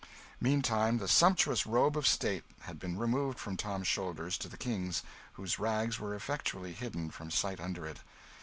Meantime the sumptuous robe of state had been removed from Tom's shoulders to the King's, whose rags were effectually hidden from sight under it.